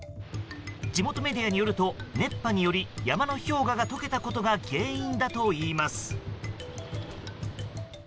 地元メディアによると熱波により山の氷河が解けたことが原因だといいます。